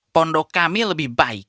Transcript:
pondok kami lebih baik